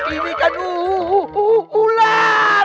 ini kan ular